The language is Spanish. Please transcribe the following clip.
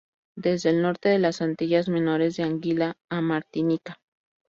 Desde el norte de las Antillas Menores, de Anguila a Martinica.